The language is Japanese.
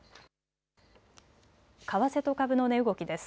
為替と株の値動きです。